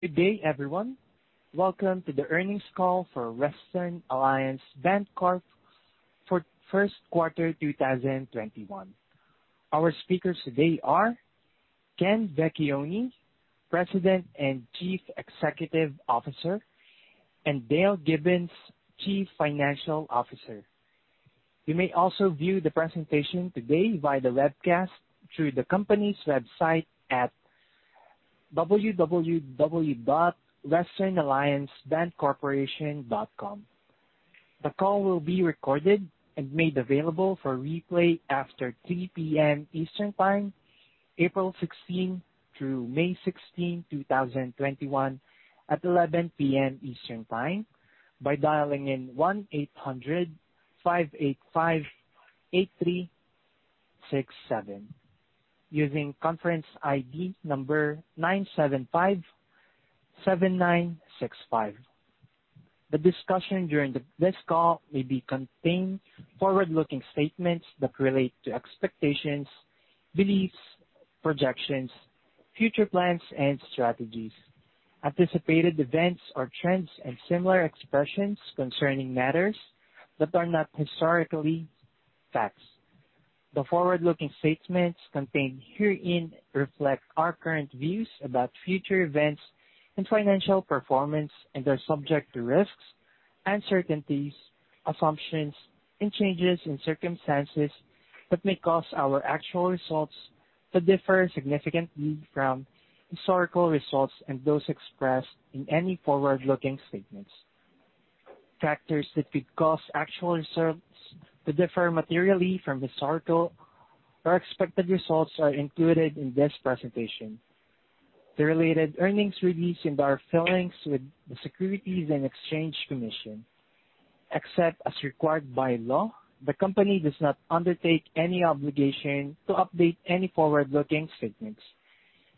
Good day, everyone. Welcome to the earnings call for Western Alliance Bancorporation for first quarter 2021. Our speakers today are Ken Vecchione, President and Chief Executive Officer, and Dale Gibbons, Chief Financial Officer. You may also view the presentation today via the webcast through the company's website at www.westernalliancebancorporation.com. The call will be recorded and made available for replay after 3:00 P.M. Eastern Time, April 16, through May 16, 2021 at 11:00 P.M. Eastern Time, by dialing in 1-800-585-8367, using conference ID number 9757965. The discussion during this call may contain forward-looking statements that relate to expectations, beliefs, projections, future plans and strategies, anticipated events or trends, and similar expressions concerning matters that are not historically facts. The forward-looking statements contained herein reflect our current views about future events and financial performance and are subject to risks, uncertainties, assumptions, and changes in circumstances that may cause our actual results to differ significantly from historical results and those expressed in any forward-looking statements. Factors that could cause actual results to differ materially from historical or expected results are included in this presentation, the related earnings release, and our filings with the Securities and Exchange Commission. Except as required by law, the company does not undertake any obligation to update any forward-looking statements.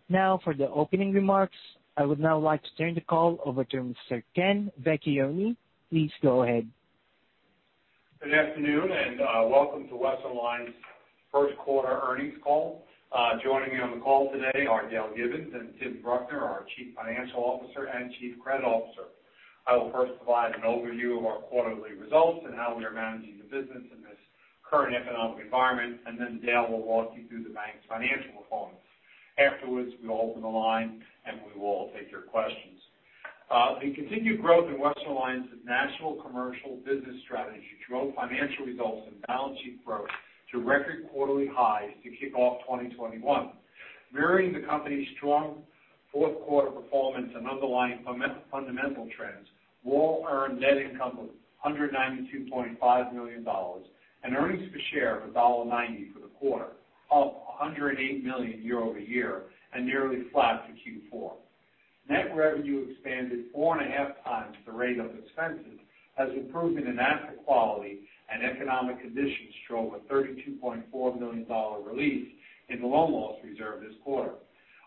Now, for the opening remarks, I would now like to turn the call over to Mr. Ken Vecchione. Please go ahead. Good afternoon, welcome to Western Alliance first quarter earnings call. Joining me on the call today are Dale Gibbons and Tim Bruckner, our Chief Financial Officer and Chief Credit Officer. I will first provide an overview of our quarterly results and how we are managing the business in this current economic environment, and then Dale will walk you through the bank's financial performance. Afterwards, we'll open the line, and we will take your questions. The continued growth in Western Alliance's national commercial business strategy drove financial results and balance sheet growth to record quarterly highs to kick off 2021. Mirroring the company's strong fourth quarter performance and underlying fundamental trends, WAL earned net income of $192.5 million and earnings per share of $1.90 for the quarter, up $108 million year-over-year and nearly flat for Q4. Net revenue expanded four and a half times the rate of expenses, as improvement in asset quality and economic conditions drove a $32.4 million release in the loan loss reserve this quarter.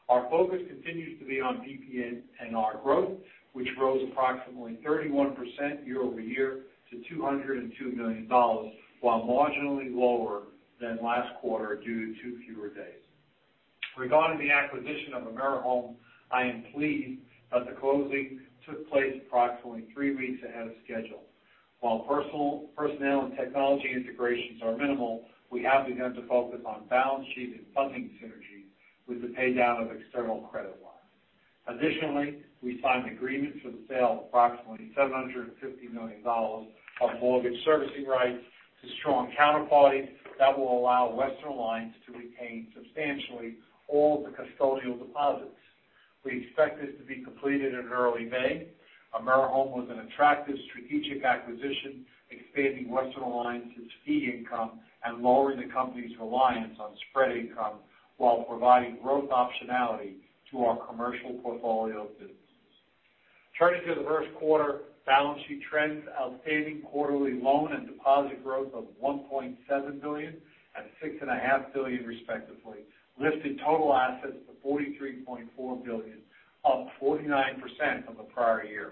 Our focus continues to be on PPNR growth, which rose approximately 31% year-over-year to $202 million, while marginally lower than last quarter due to fewer days. Regarding the acquisition of AmeriHome, I am pleased that the closing took place approximately three weeks ahead of schedule. While personnel and technology integrations are minimal, we have begun to focus on balance sheet and funding synergies with the paydown of external credit lines. Additionally, we signed agreement for the sale of approximately $750 million of mortgage servicing rights to strong counterparties that will allow Western Alliance to retain substantially all the custodial deposits. We expect this to be completed in early May. AmeriHome was an attractive strategic acquisition, expanding Western Alliance's fee income and lowering the company's reliance on spread income while providing growth optionality to our commercial portfolio business. Turning to the first quarter balance sheet trends, outstanding quarterly loan and deposit growth of $1.7 billion and $6.5 billion respectively, lifted total assets to $43.4 billion, up 49% from the prior year.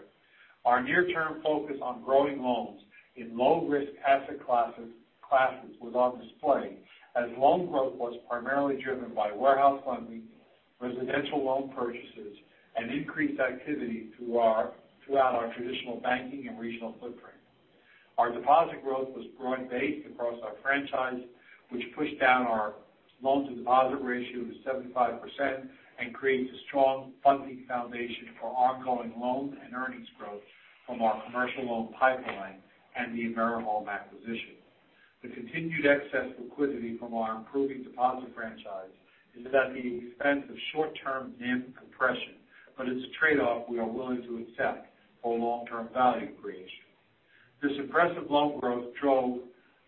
Our near-term focus on growing loans in low-risk asset classes was on display as loan growth was primarily driven by warehouse funding, residential loan purchases, and increased activity throughout our traditional banking and regional footprint. Our deposit growth was broad-based across our franchise, which pushed down our loan-to-deposit ratio to 75% and creates a strong funding foundation for ongoing loan and earnings growth from our commercial loan pipeline and the AmeriHome acquisition. The continued excess liquidity from our improving deposit franchise is at the expense of short-term NIM compression, but it's a trade-off we are willing to accept for long-term value creation. This impressive loan growth drove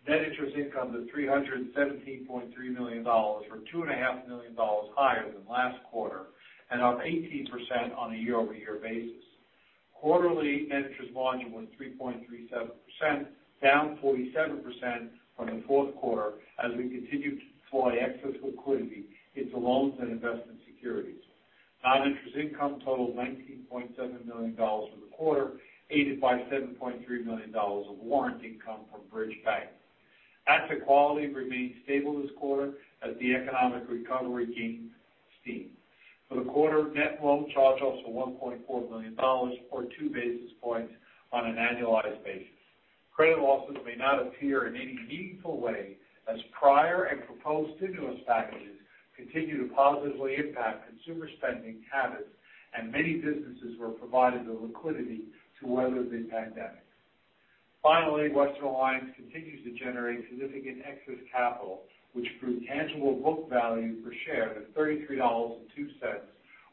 net interest income to $317.3 million, or $2.5 million higher than last quarter, and up 18% on a year-over-year basis. Quarterly net interest margin was 3.37%, down 47 basis points from the fourth quarter as we continued to deploy excess liquidity into loans and investment securities. Non-interest income totaled $19.7 million for the quarter, aided by $7.3 million of warrant income from Bridge Bank. Asset quality remained stable this quarter as the economic recovery gained steam. For the quarter, net loan charge-offs were $1.4 million, or 2 basis points on an annualized basis. Credit losses may not appear in any meaningful way as prior and proposed stimulus packages continue to positively impact consumer spending habits and many businesses were provided the liquidity to weather the pandemic. Finally, Western Alliance continues to generate significant excess capital, which grew tangible book value per share to $33.02,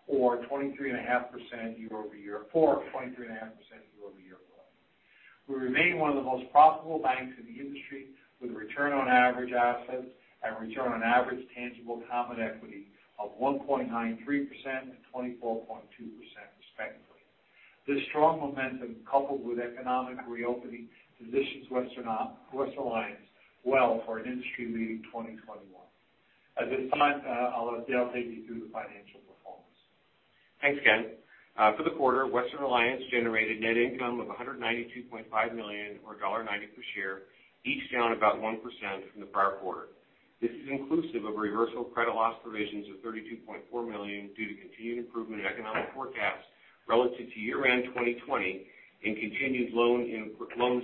or 23.5% year-over-year-- for 23.5% year-over-year growth. We remain one of the most profitable banks in the industry with a return on average assets and return on average tangible common equity of 1.93% and 24.2%, respectively. This strong momentum, coupled with economic reopening, positions Western Alliance well for an industry-leading 2021. At this time, I'll let Dale take you through the financial performance. Thanks, Ken. For the quarter, Western Alliance generated net income of $192.5 million, or $1.90 per share, each down about 1% from the prior quarter. This is inclusive of reversal of credit loss provisions of $32.4 million due to continued improvement in economic forecasts relative to year-end 2020 and continued loan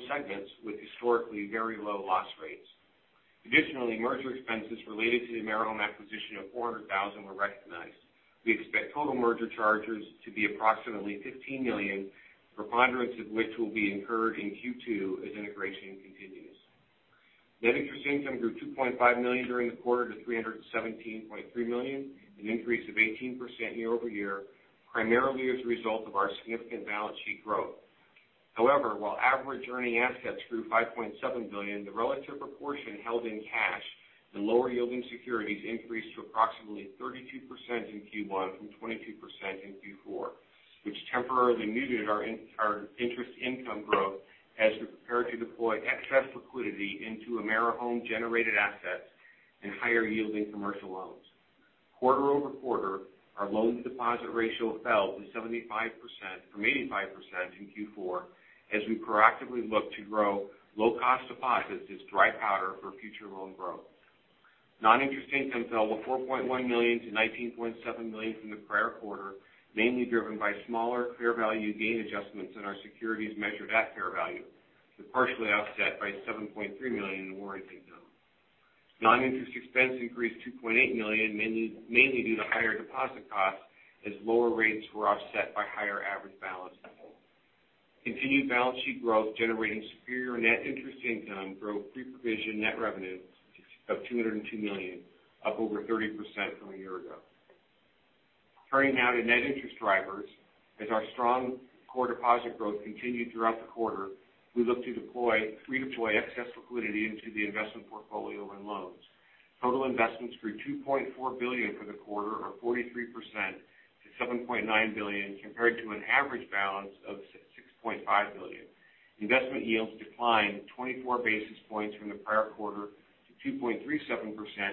segments with historically very low loss rates. Additionally, merger expenses related to the AmeriHome acquisition of $400,000 were recognized. We expect total merger charges to be approximately $15 million, preponderance of which will be incurred in Q2 as integration continues. Net interest income grew to $2.5 million during the quarter to $317.3 million, an increase of 18% year-over-year, primarily as a result of our significant balance sheet growth. However, while average earning assets grew $5.7 billion, the relative proportion held in cash and lower yielding securities increased to approximately 32% in Q1 from 22% in Q4, which temporarily muted our interest income growth as we prepared to deploy excess liquidity into AmeriHome-generated assets and higher yielding commercial loans. Quarter-over-quarter, our loans to deposit ratio fell to 75% from 85% in Q4, as we proactively look to grow low-cost deposits as dry powder for future loan growth. Non-interest income fell to $4.1 million to $19.7 million from the prior quarter, mainly driven by smaller fair value gain adjustments in our securities measured at fair value, but partially offset by $7.3 million in warrant income. Non-interest expense increased to $2.8 million, mainly due to higher deposit costs as lower rates were offset by higher average balance levels. Continued balance sheet growth generating superior net interest income growth, pre-provision net revenue of $202 million, up over 30% from a year ago. Turning now to net interest drivers. As our strong core deposit growth continued throughout the quarter, we look to redeploy excess liquidity into the investment portfolio and loans. Total investments grew $2.4 billion for the quarter, or 43%, to $7.9 billion, compared to an average balance of $6.5 billion. Investment yields declined 24 basis points from the prior quarter to 2.37%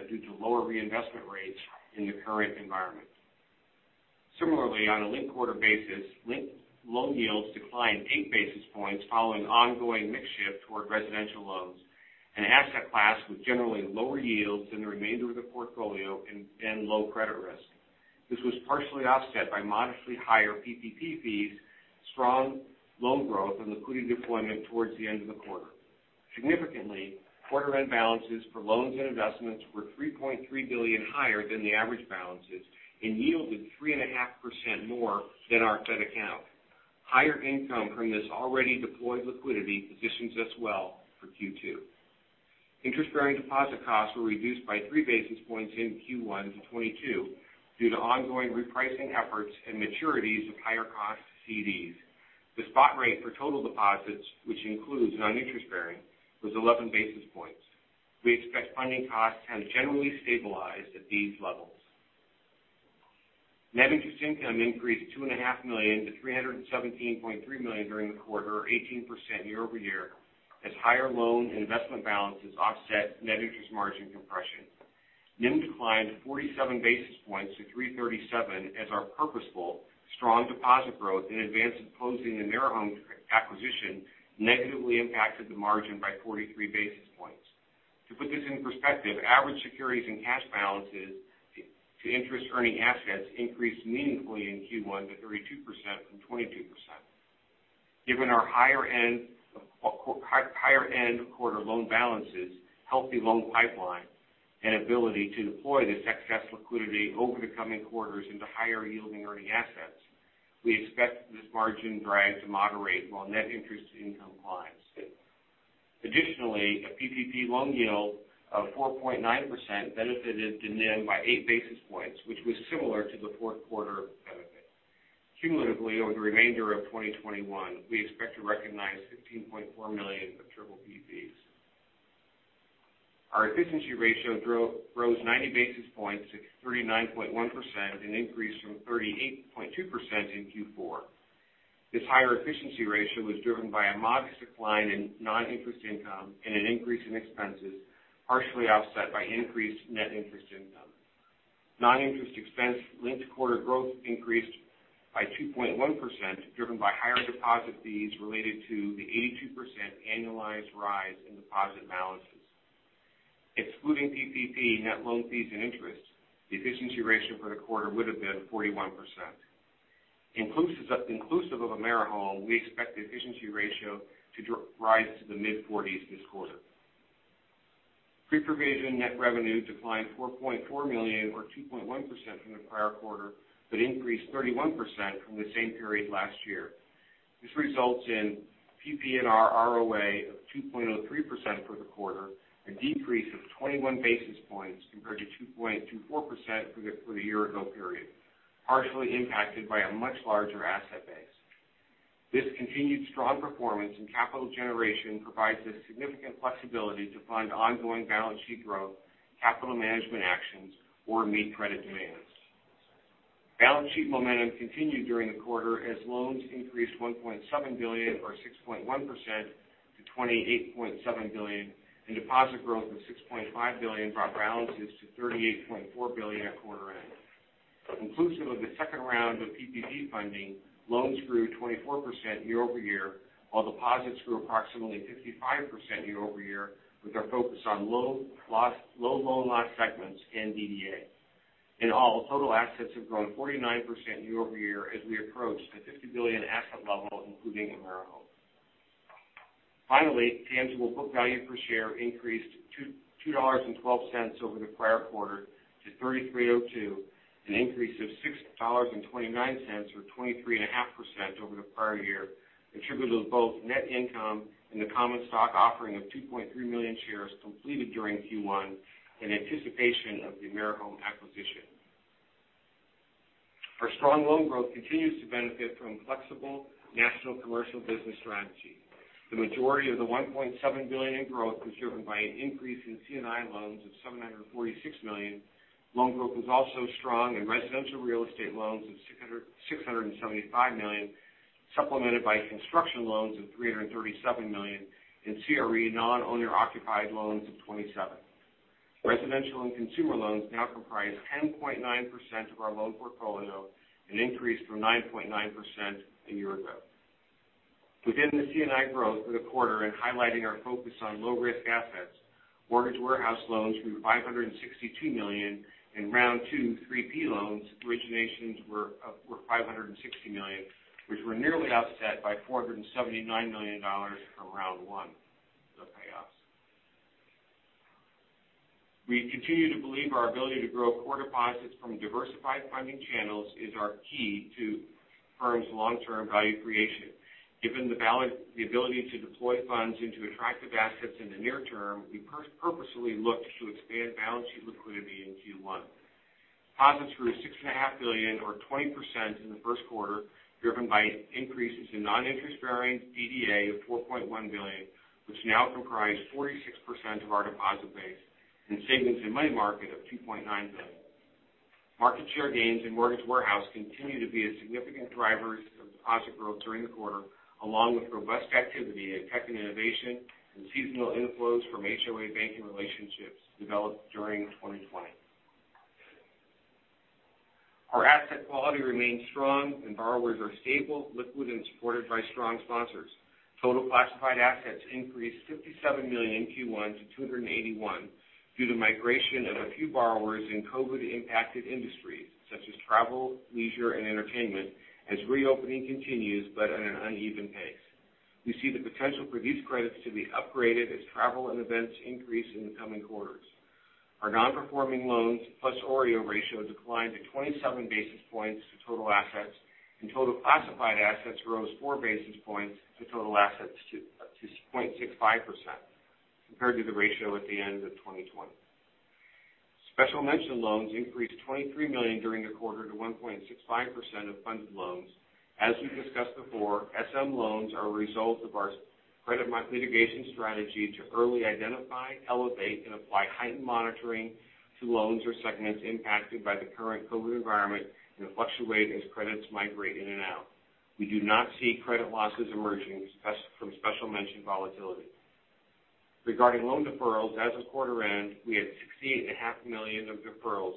due to lower reinvestment rates in the current environment. Similarly, on a linked quarter basis, linked loan yields declined eight basis points following ongoing mix shift toward residential loans and asset class with generally lower yields than the remainder of the portfolio and low credit risk. This was partially offset by modestly higher PPP fees, strong loan growth, and liquidity deployment towards the end of the quarter. Significantly, quarter-end balances for loans and investments were $3.3 billion higher than the average balances and yielded 3.5% more than our dep account. Higher income from this already deployed liquidity positions us well for Q2. Interest-bearing deposit costs were reduced by three basis points in Q1 to 22 due to ongoing repricing efforts and maturities of higher cost CDs. The spot rate for total deposits, which includes non-interest bearing, was 11 basis points. We expect funding costs have generally stabilized at these levels. Net interest income increased $2.5 million to $317.3 million during the quarter, 18% year-over-year, as higher loan and investment balances offset net interest margin compression. NIM declined 47 basis points to 337 as our purposeful strong deposit growth in advance of closing the AmeriHome acquisition negatively impacted the margin by 43 basis points. To put this in perspective, average securities and cash balances to interest-earning assets increased meaningfully in Q1 to 32% from 22%. Given our higher end quarter loan balances, healthy loan pipeline, and ability to deploy this excess liquidity over the coming quarters into higher yielding earning assets, we expect this margin drag to moderate while net interest income climbs. Additionally, a PPP loan yield of 4.9% benefited the NIM by 8 basis points, which was similar to the fourth quarter benefit. Cumulatively, over the remainder of 2021, we expect to recognize $15.4 million of PPP fees. Our efficiency ratio rose 90 basis points to 39.1%, an increase from 38.2% in Q4. This higher efficiency ratio was driven by a modest decline in non-interest income and an increase in expenses, partially offset by increased net interest income. Non-interest expense linked-quarter growth increased by 2.1%, driven by higher deposit fees related to the 82% annualized rise in deposit balances. Excluding PPP, net loan fees, and interest, the efficiency ratio for the quarter would have been 41%. Inclusive of AmeriHome, we expect the efficiency ratio to rise to the mid-40s this quarter. Pre-provision net revenue declined $4.4 million or 2.1% from the prior quarter, but increased 31% from the same period last year. This results in a PPNR ROA of 2.03% for the quarter, a decrease of 21 basis points compared to 2.24% for the year ago period, partially impacted by a much larger asset base. This continued strong performance in capital generation provides us significant flexibility to fund ongoing balance sheet growth, capital management actions, or meet credit demands. Balance sheet momentum continued during the quarter as loans increased $1.7 billion or 6.1% to $28.7 billion and deposit growth of $6.5 billion brought balances to $38.4 billion at quarter end. Inclusive of the second round of PPP funding, loans grew 24% year-over-year, while deposits grew approximately 55% year-over-year with our focus on low loan loss segments and DDA. In all, total assets have grown 49% year-over-year as we approach the $50 billion asset level, including AmeriHome. Tangible book value per share increased to $2.12 over the prior quarter to $33.02, an increase of $6.29 or 23.5% over the prior year, attributable to both net income and the common stock offering of 2.3 million shares completed during Q1 in anticipation of the AmeriHome acquisition. Our strong loan growth continues to benefit from flexible national commercial business strategy. The majority of the $1.7 billion in growth was driven by an increase in C&I loans of $746 million. Loan growth was also strong in residential real estate loans of $675 million, supplemented by construction loans of $337 million in CRE non-owner occupied loans of $27 million. Residential and consumer loans now comprise 10.9% of our loan portfolio, an increase from 9.9% a year ago. Within the C&I growth for the quarter and highlighting our focus on low-risk assets, mortgage warehouse loans grew to $562 million and round two PPP loans originations were $560 million, which were nearly offset by $479 million from round one, the payoffs. We continue to believe our ability to grow core deposits from diversified funding channels is our key to the firm's long-term value creation. Given the ability to deploy funds into attractive assets in the near term, we purposefully looked to expand balance sheet liquidity in Q1. Deposits grew $6.5 billion or 20% in the first quarter, driven by increases in non-interest-bearing DDA of $4.1 billion, which now comprise 46% of our deposit base and savings and money market of $2.9 billion. Market share gains in mortgage warehouse continue to be a significant driver of deposit growth during the quarter, along with robust activity in tech and innovation and seasonal inflows from HOA banking relationships developed during 2020. Our asset quality remains strong and borrowers are stable, liquid, and supported by strong sponsors. Total classified assets increased $57 million in Q1 to $281 million due to migration of a few borrowers in COVID-impacted industries such as travel, leisure, and entertainment as reopening continues, but at an uneven pace. We see the potential for these credits to be upgraded as travel and events increase in the coming quarters. Our non-performing loans plus OREO ratio declined to 27 basis points to total assets, and total classified assets rose four basis points to total assets to 0.65% compared to the ratio at the end of 2020. Special mention loans increased $23 million during the quarter to 1.65% of funded loans. As we've discussed before, SM loans are a result of our credit mitigation strategy to early identify, elevate, and apply heightened monitoring to loans or segments impacted by the current COVID environment and fluctuate as credits migrate in and out. We do not see credit losses emerging from special mention volatility. Regarding loan deferrals, as of quarter end, we had $6.5 million of deferrals,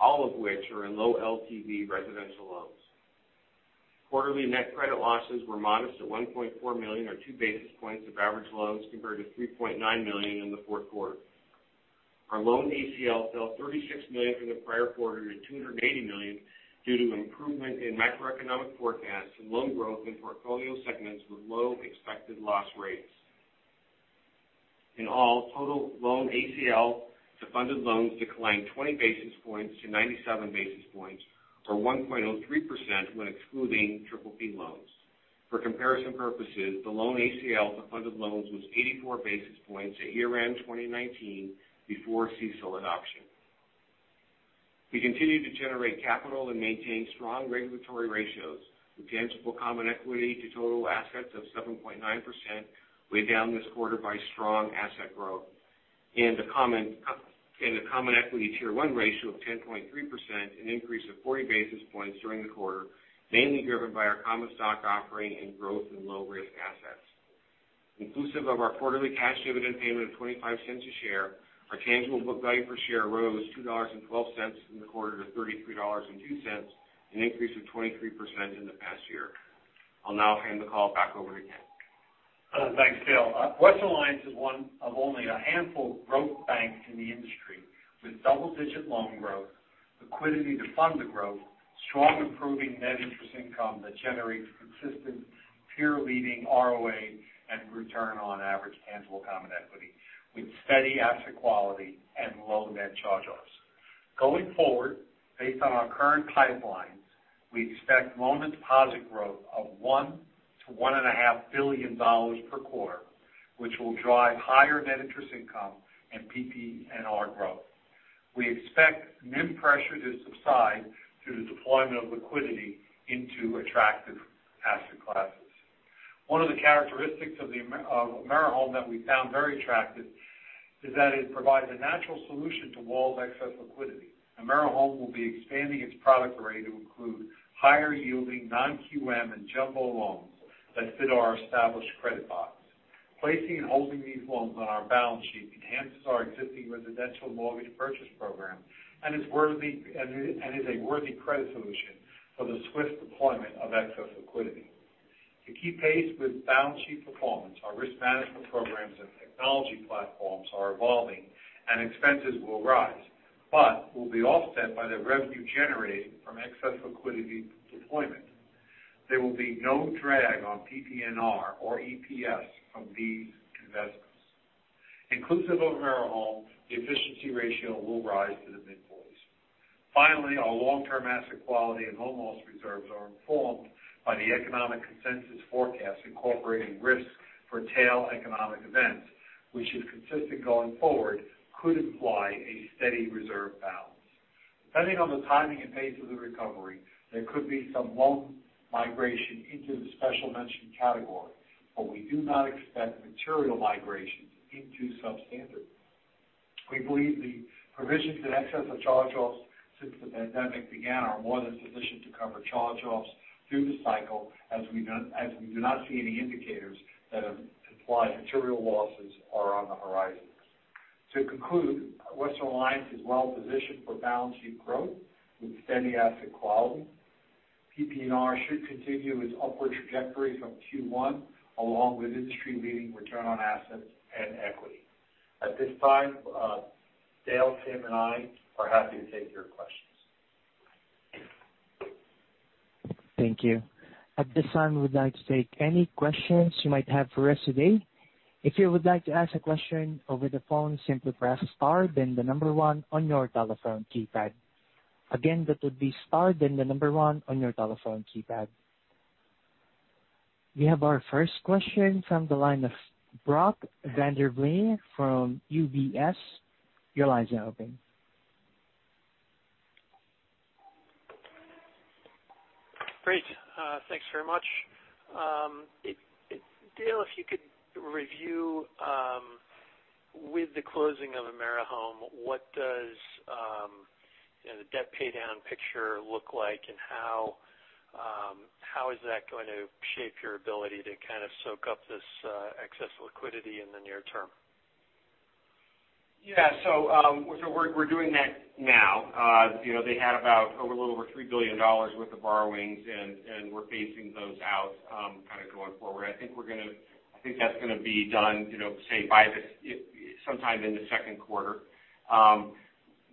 all of which are in low LTV residential loans. Quarterly net credit losses were modest at $1.4 million or 2 basis points of average loans compared to $3.9 million in the fourth quarter. Our loan ACL fell $36 million from the prior quarter to $280 million due to improvement in macroeconomic forecasts and loan growth in portfolio segments with low expected loss rates. In all, total loan ACL to funded loans declined 20 basis points to 97 basis points or 1.03% when excluding PPP loans. For comparison purposes, the loan ACL to funded loans was 84 basis points at year-end 2019 before CECL adoption. We continue to generate capital and maintain strong regulatory ratios with tangible common equity to total assets of 7.9%, weighed down this quarter by strong asset growth and a common equity Tier 1 ratio of 10.3%, an increase of 40 basis points during the quarter, mainly driven by our common stock offering and growth in low-risk assets. Inclusive of our quarterly cash dividend payment of $0.25 a share, our tangible book value per share rose $2.12 in the quarter to $33.02, an increase of 23% in the past year. I'll now hand the call back over to Ken. Thanks, Dale. Western Alliance is one of only a handful of growth banks in the industry, with double-digit loan growth, liquidity to fund the growth, strong improving net interest income that generates consistent peer-leading ROA and return on average tangible common equity, with steady asset quality and low net charge-offs. Going forward, based on our current pipelines, we expect loan and deposit growth of $1 billion-$1.5 billion per quarter, which will drive higher net interest income and PPNR growth. We expect NIM pressure to subside through the deployment of liquidity into attractive asset classes. One of the characteristics of AmeriHome that we found very attractive is that it provides a natural solution to WAL's excess liquidity. AmeriHome will be expanding its product array to include higher-yielding non-QM and jumbo loans that fit our established credit box. Placing and holding these loans on our balance sheet enhances our existing residential mortgage purchase program and is a worthy credit solution for the swift deployment of excess liquidity. To keep pace with balance sheet performance, our risk management programs and technology platforms are evolving, and expenses will rise. Will be offset by the revenue generated from excess liquidity deployment. There will be no drag on PPNR or EPS from these investments. Inclusive of AmeriHome, the efficiency ratio will rise to the mid-40s. Finally, our long-term asset quality and loan loss reserves are informed by the economic consensus forecast incorporating risks for tail economic events, which if consistent going forward, could imply a steady reserve balance. Depending on the timing and pace of the recovery, there could be some loan migration into the special mention category, but we do not expect material migration into substandard. We believe the provisions in excess of charge-offs since the pandemic began are more than sufficient to cover charge-offs through the cycle, as we do not see any indicators that imply material losses are on the horizon. To conclude, Western Alliance is well positioned for balance sheet growth with steady asset quality. PPNR should continue its upward trajectory from Q1, along with industry-leading return on assets and equity. At this time, Dale, Tim, and I are happy to take your questions. Thank you. At this time, we'd like to take any questions you might have for us today. If you would like to ask a question over the phone, simply press star then the number one on your telephone keypad. Again, that would be star then the number one on your telephone keypad. We have our first question from the line of Brock Vandervliet from UBS. Your line is now open. Great. Thanks very much. Dale, if you could review with the closing of AmeriHome, what does the debt paydown picture look like and how is that going to shape your ability to kind of soak up this excess liquidity in the near term? Yeah. We're doing that now. They had about a little over $3 billion worth of borrowings. We're pacing those out kind of going forward. I think that's going to be done say sometime in the second quarter.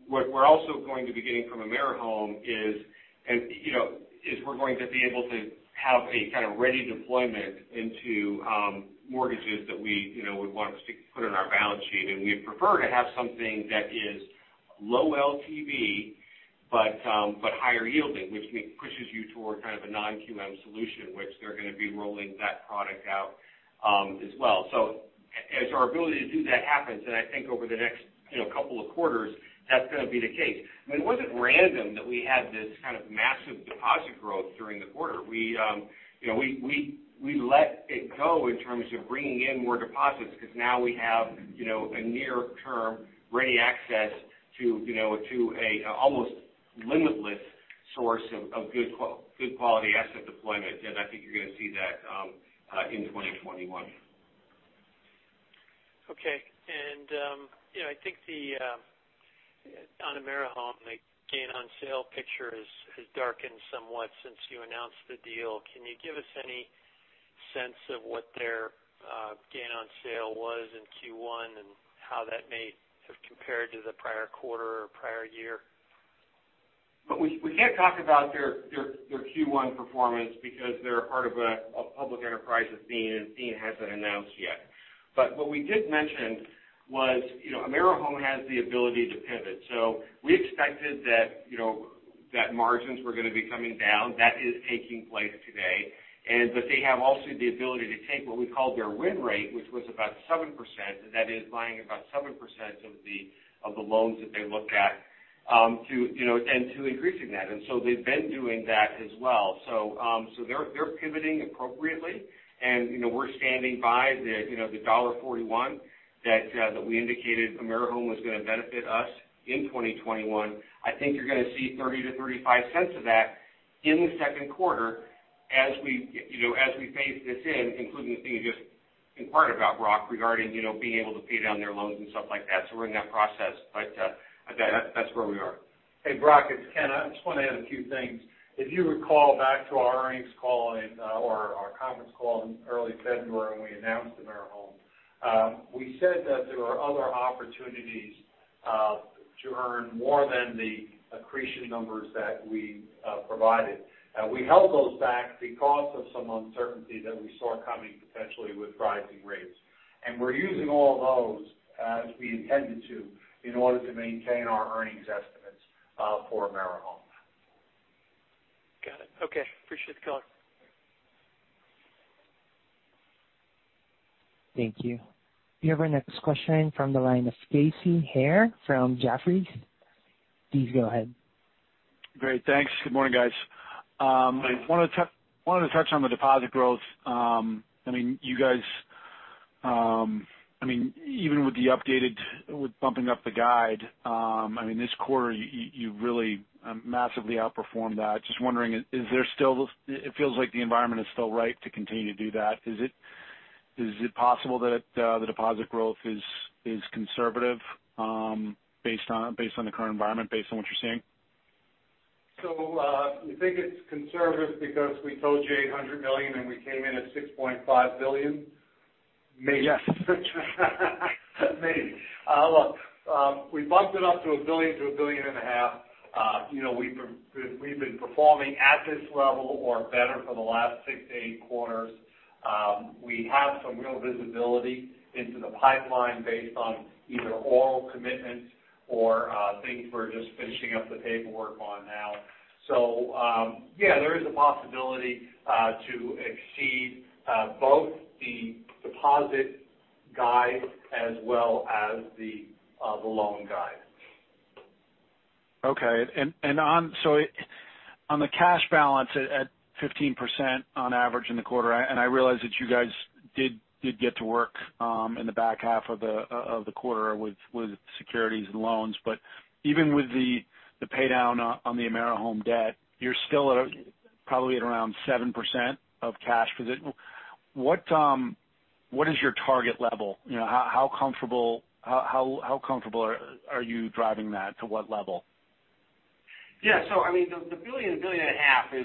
What we're also going to be getting from AmeriHome is we're going to be able to have a kind of ready deployment into mortgages that we would want to put on our balance sheet, and we'd prefer to have something that is low LTV but higher yielding, which pushes you toward kind of a non-QM solution, which they're going to be rolling that product out as well. As our ability to do that happens, and I think over the next couple of quarters, that's going to be the case. I mean, it wasn't random that we had this kind of massive deposit growth during the quarter. We let it go in terms of bringing in more deposits because now we have a near-term ready access to an almost limitless source of good quality asset deployment. I think you're going to see that in 2021. Okay. I think on AmeriHome, the gain on sale picture has darkened somewhat since you announced the deal. Can you give us any sense of what their gain on sale was in Q1 and how that may have compared to the prior quarter or prior year? We can't talk about their Q1 performance because they're part of a public enterprise with [inaudible] hasn't announced yet. What we did mention was AmeriHome has the ability to pivot. We expected that margins were going to be coming down. That is taking place today. They have also the ability to take what we call their win rate, which was about 7%, that is buying about 7% of the loans that they look at, and to increasing that. They've been doing that as well. They're pivoting appropriately, and we're standing by the $1.41 that we indicated AmeriHome was going to benefit us in 2021. I think you're going to see $0.30-$0.35 of that in the second quarter, as we phase this in, including the thing you just inquired about, Brock, regarding being able to pay down their loans and stuff like that. We're in that process, but that's where we are. Hey, Brock, it's Ken. I just want to add a few things. If you recall back to our earnings call or our conference call in early February when we announced AmeriHome, we said that there were other opportunities to earn more than the accretion numbers that we provided. We held those back because of some uncertainty that we saw coming potentially with rising rates. We're using all of those as we intended to, in order to maintain our earnings estimates for AmeriHome. Got it. Okay. Appreciate the color. Thank you. We have our next question from the line of Casey Haire from Jefferies. Please go ahead. Great. Thanks. Good morning, guys. I wanted to touch on the deposit growth. Even with the updated, with bumping up the guide, this quarter, you really massively outperformed that. Just wondering, it feels like the environment is still right to continue to do that. Is it possible that the deposit growth is conservative based on the current environment, based on what you're seeing? You think it's conservative because we told you $800 million and we came in at $6.5 billion? Maybe. Maybe. Look, we bumped it up to $1 billion-$1.5 billion. We've been performing at this level or better for the last six to eight quarters. We have some real visibility into the pipeline based on either oral commitments or things we're just finishing up the paperwork on now. Yeah, there is a possibility to exceed both the deposit guide as well as the loan guide. Okay. On the cash balance at 15% on average in the quarter, and I realize that you guys did get to work in the back half of the quarter with securities and loans. But even with the pay down on the AmeriHome debt, you're still probably at around 7% of cash position. What is your target level? How comfortable are you driving that to what level? Yeah. The $1 billion-$1.5 billion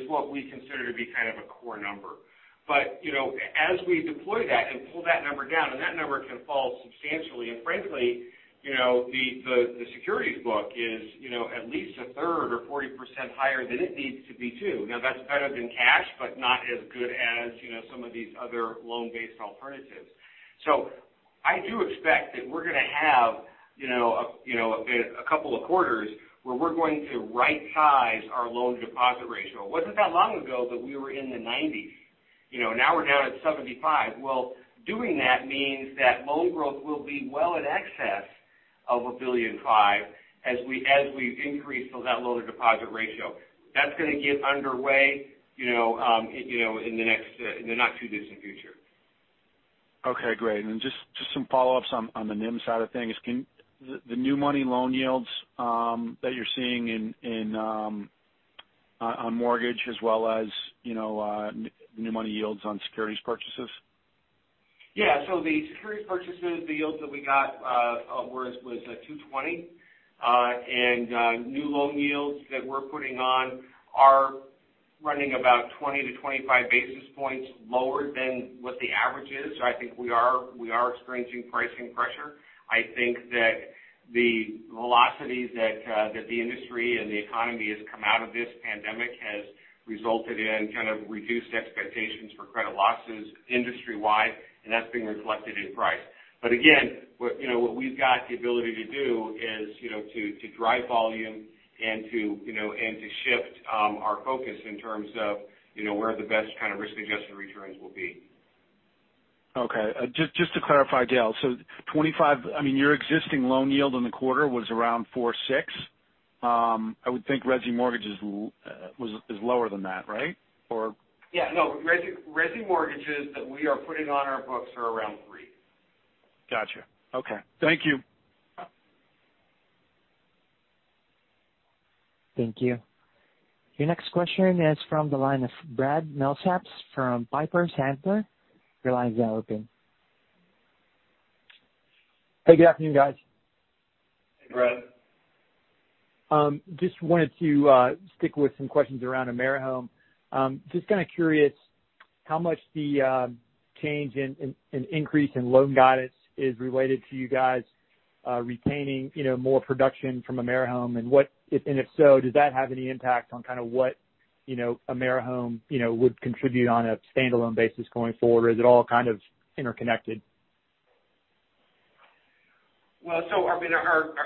is what we consider to be kind of a core number. As we deploy that and pull that number down, that number can fall substantially. Frankly the securities book is at least a third or 40% higher than it needs to be, too. That's better than cash, but not as good as some of these other loan-based alternatives. I do expect that we're going to have a couple of quarters where we're going to right size our loan deposit ratio. It wasn't that long ago that we were in the 90%s. We're down at 75%. Doing that means that loan growth will be well in excess of $1.5 billion as we increase that loan to deposit ratio. That's going to get underway in the not too distant future. Okay, great. Then just some follow-ups on the NIM side of things. The new money loan yields that you're seeing on mortgage as well as new money yields on securities purchases? Yeah. The securities purchases, the yields that we got was 2.20%. New loan yields that we're putting on are running about 20-25 basis points lower than what the average is. I think we are experiencing pricing pressure. I think that the velocities that the industry and the economy has come out of this pandemic has resulted in kind of reduced expectations for credit losses industry wide, and that's being reflected in price. Again, what we've got the ability to do is to drive volume and to shift our focus in terms of where the best kind of risk-adjusted returns will be. Okay. Just to clarify, Dale. 25 basis point, your existing loan yield in the quarter was around 4.6%. I would think resi mortgages is lower than that, right? Yeah, no, resi mortgages that we are putting on our books are around 3%. Got you. Okay. Thank you. Thank you. Your next question is from the line of Brad Milsaps from Piper Sandler. Your line is now open. Hey, good afternoon, guys. Hey, Brad. Just wanted to stick with some questions around AmeriHome. Just kind of curious how much the change in increase in loan guidance is related to you guys retaining more production from AmeriHome and if so, does that have any impact on kind of what AmeriHome would contribute on a standalone basis going forward, or is it all kind of interconnected? Well, our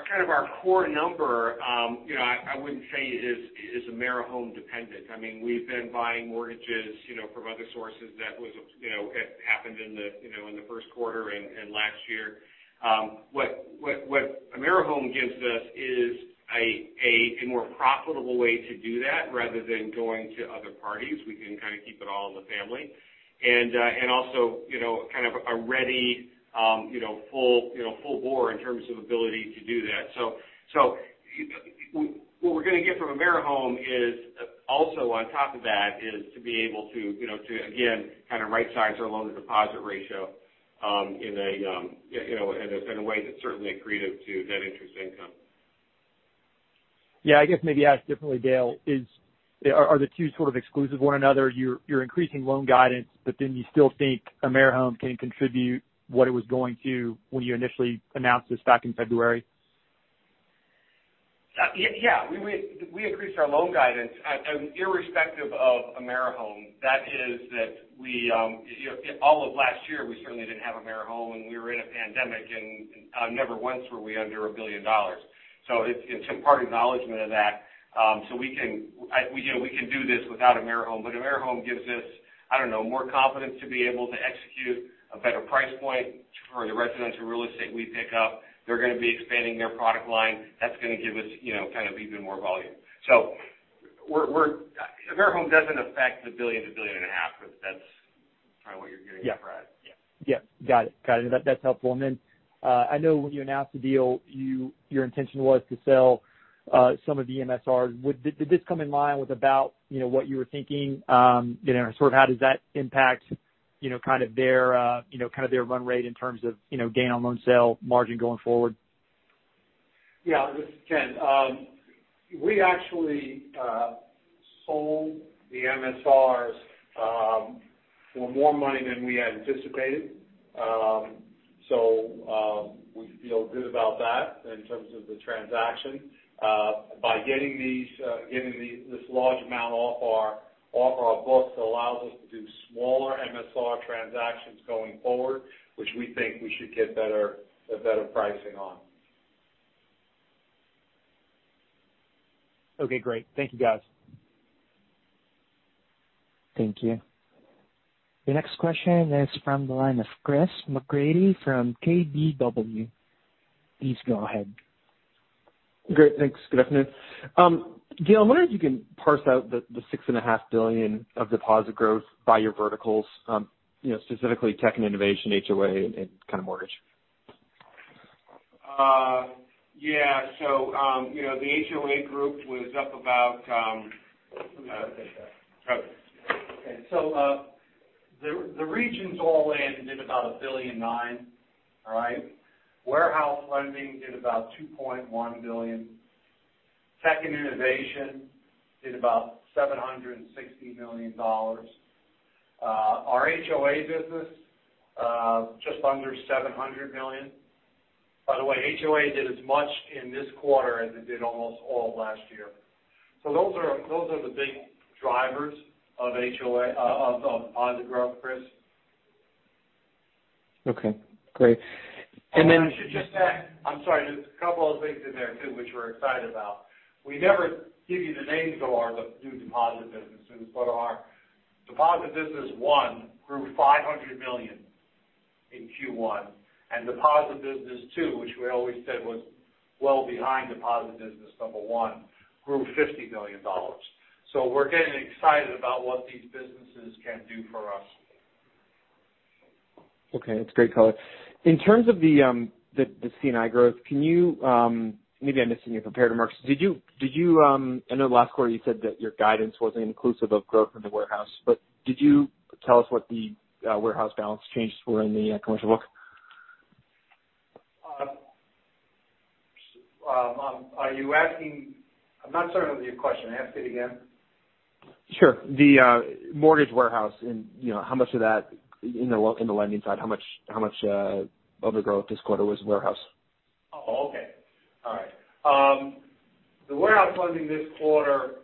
kind of our core number I wouldn't say is AmeriHome dependent. We've been buying mortgages from other sources that happened in the first quarter and last year. What AmeriHome gives us is a more profitable way to do that rather than going to other parties. We can kind of keep it all in the family. Also, kind of a ready full bore in terms of ability to do that. What we're going to get from AmeriHome is also on top of that is to be able to again, kind of right size our loan-to-deposit ratio in a way that's certainly accretive to net interest income. Yeah. I guess maybe asked differently, Dale, are the two sort of exclusive of one another? You're increasing loan guidance, but then you still think AmeriHome can contribute what it was going to when you initially announced this back in February. We increased our loan guidance irrespective of AmeriHome. That is that all of last year, we certainly didn't have AmeriHome, and we were in a pandemic, and never once were we under $1 billion. It's in part acknowledgment of that. We can do this without AmeriHome, but AmeriHome gives us, I don't know, more confidence to be able to execute a better price point for the residential real estate we pick up. They're going to be expanding their product line. That's going to give us kind of even more volume. AmeriHome doesn't affect the $1 billion-$1.5 billion, if that's kind of what you're getting at, Brad. Yeah. Got it. That's helpful. I know when you announced the deal, your intention was to sell some of the MSRs. Did this come in line with about what you were thinking? Sort of how does that impact their run rate in terms of gain on loan sale margin going forward? This is Ken. We actually sold the MSRs for more money than we had anticipated. We feel good about that in terms of the transaction. By getting this large amount off our books, it allows us to do smaller MSR transactions going forward, which we think we should get better pricing on. Okay, great. Thank you, guys. Thank you. Your next question is from the line of Chris McGratty from KBW. Please go ahead. Great. Thanks. Good afternoon. Dale, I'm wondering if you can parse out the $6.5 billion of deposit growth by your verticals, specifically tech and innovation, HOA, and kind of mortgage. The HOA group was up about-- let me look at that. Okay. The regions all in did about $1.9 billion. All right? Warehouse lending did about $2.1 billion. Tech and innovation did about $760 million. Our HOA business, just under $700 million. By the way, HOA did as much in this quarter as it did almost all of last year. Those are the big drivers of HOA-- of deposit growth, Chris. Okay, great. I should just add. I'm sorry, there's a couple other things in there, too, which we're excited about. We never give you the names of our new deposit businesses. Our deposit business one grew $500 million in Q1, and deposit business two, which we always said was well behind deposit business number one, grew $50 million. We're getting excited about what these businesses can do for us. That's great color. In terms of the C&I growth, maybe I missed it in your prepared remarks. I know last quarter you said that your guidance wasn't inclusive of growth in the warehouse, did you tell us what the warehouse balance changes were in the commercial book? I'm not certain of your question. Ask it again. Sure. The mortgage warehouse and how much of that in the lending side, how much of the growth this quarter was warehouse? Oh, okay. All right. The warehouse funding this quarter.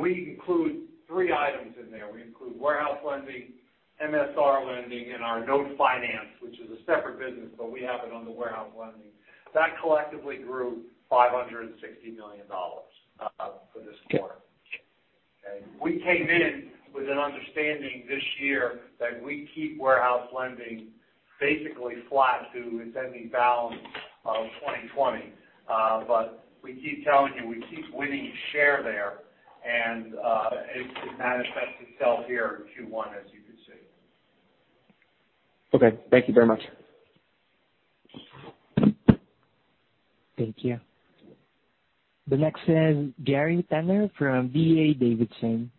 We include three items in there. We include warehouse lending, MSR lending, and our note finance, which is a separate business, but we have it under warehouse lending. That collectively grew $560 million for this quarter. Okay. We came in with an understanding this year that we keep warehouse lending basically flat to its ending balance of 2020. We keep telling you, we keep winning share there, and it manifests itself here in Q1, as you can see. Okay. Thank you very much. Thank you. The next is Gary Tenner from D.A. Davidson.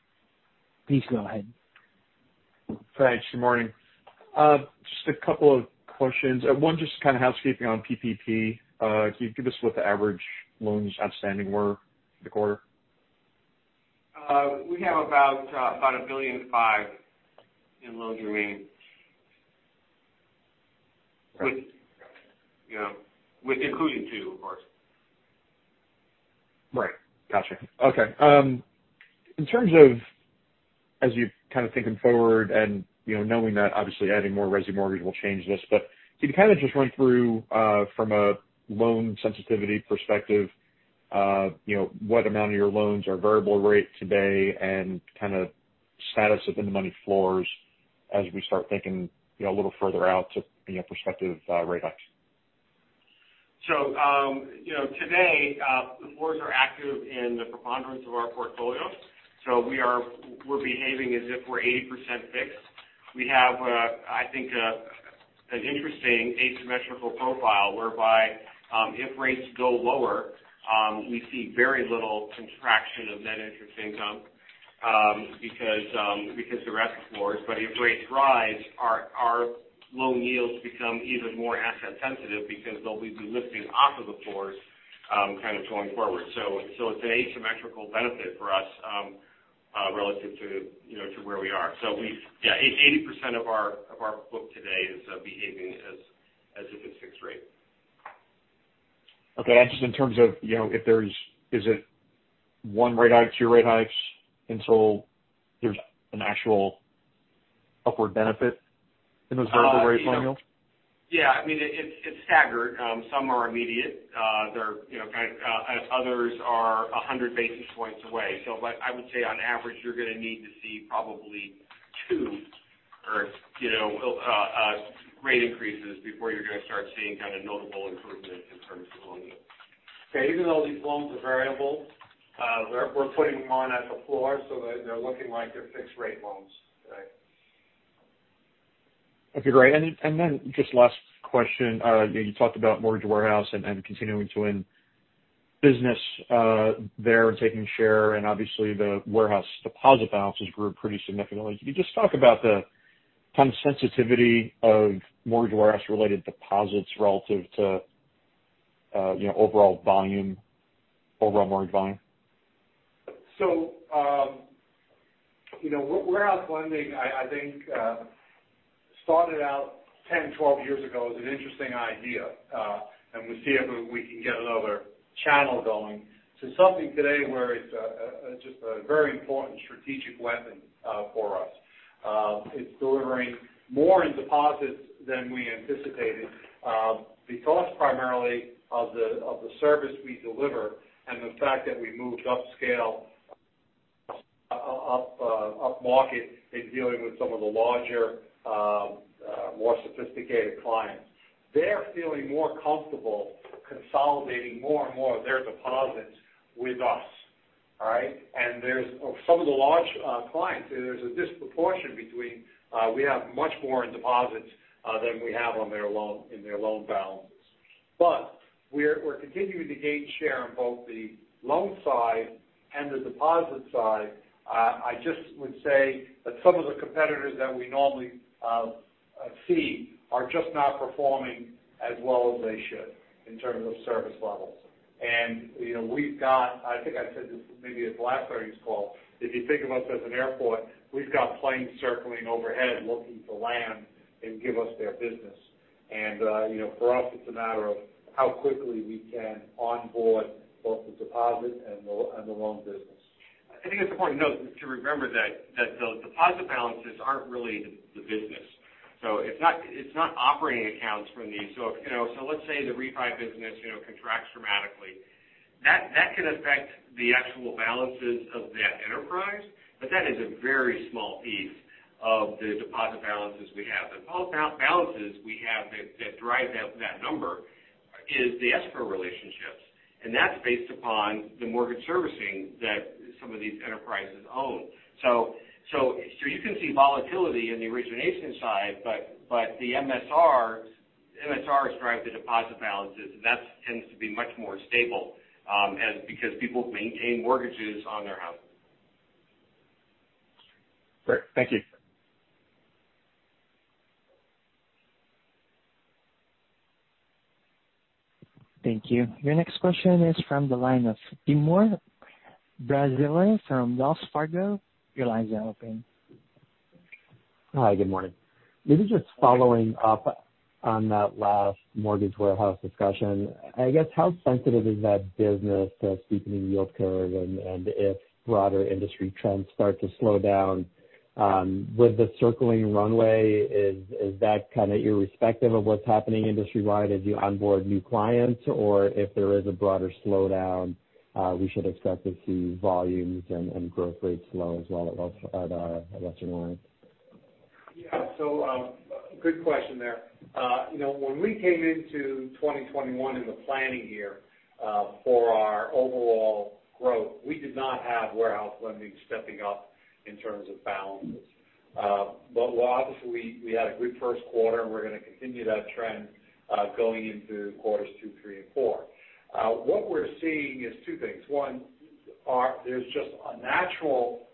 Please go ahead. Thanks. Good morning. Just a couple of questions. One, just kind of housekeeping on PPP. Can you give us what the average loans outstanding were for the quarter? We have about $1.5 billion in loans remaining. Right. Including two, of course. Right. Got you. Okay. In terms of as you're kind of thinking forward and knowing that obviously adding more resi-mortgage will change this, could you kind of just run through from a loan sensitivity perspective what amount of your loans are variable rate today and kind of status of in the money floors as we start thinking a little further out to prospective rate hikes? Today, the floors are active in the preponderance of our portfolio. We're behaving as if we're 80% fixed. We have an interesting asymmetrical profile whereby, if rates go lower, we see very little contraction of net interest income because of the rest of the floors. If rates rise, our loan yields become even more asset sensitive because they'll be lifting off of the floors kind of going forward. It's an asymmetrical benefit for us relative to where we are. Yeah, 80% of our book today is behaving as if it's fixed rate. Okay. Is it one rate hike, two rate hikes, until there's an actual upward benefit in those variable rate loan yields? Yeah. I mean, it's staggered. Some are immediate. Others are 100 basis points away. I would say on average, you're going to need to see probably two rate increases before you're going to start seeing kind of notable improvement in terms of loan yield. Okay. Even though these loans are variable, we're putting them on at the floor so that they're looking like they're fixed rate loans today. Okay, great. Just last question. You talked about mortgage warehouse and continuing to win business there and taking share, and obviously the warehouse deposit balances grew pretty significantly. Can you just talk about the kind of sensitivity of mortgage warehouse related deposits relative to overall mortgage volume? Warehouse lending, I think, started out 10, 12 years ago as an interesting idea, and we see if we can get another channel going. Something today where it's just a very important strategic weapon for us. It's delivering more in deposits than we anticipated because primarily of the service we deliver and the fact that we moved upscale, upmarket in dealing with some of the larger, more sophisticated clients. They're feeling more comfortable consolidating more and more of their deposits with us. All right? Some of the large clients, there's a disproportion between we have much more in deposits than we have in their loan balances. We're continuing to gain share on both the loan side and the deposit side. I just would say that some of the competitors that we normally see are just not performing as well as they should in terms of service levels. We've got, I think I said this maybe at the last earnings call, if you think of us as an airport, we've got planes circling overhead looking to land and give us their business. For us, it's a matter of how quickly we can onboard both the deposit and the loan business. I think it's important to note, to remember that the deposit balances aren't really the business. It's not operating accounts from these. Let's say the refi business contracts dramatically. That can affect the actual balances of that enterprise, but that is a very small piece of the deposit balances we have. The deposit balances we have that drive that number is the escrow relationships, and that's based upon the mortgage servicing that some of these enterprises own. You can see volatility in the origination side, but the MSRs drive the deposit balances, and that tends to be much more stable because people maintain mortgages on their house. Great. Thank you. Thank you. Your next question is from the line of Timur Braziler from Wells Fargo. Your line is now open. Hi. Good morning. This is just following up on that last mortgage warehouse discussion. I guess how sensitive is that business to a steepening yield curve, and if broader industry trends start to slow down, with the circling runway, is that kind of irrespective of what's happening industry-wide as you onboard new clients? Or if there is a broader slowdown, we should expect to see volumes and growth rates slow as well at Western Alliance? Good question there. When we came into 2021 in the planning year for our overall growth, we did not have warehouse lending stepping up in terms of balances. Obviously we had a good first quarter, and we're going to continue that trend going into quarters two, three, and four. What we're seeing is two things. One, there's just a natural